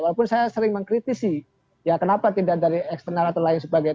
walaupun saya sering mengkritisi ya kenapa tidak dari eksternal atau lain sebagainya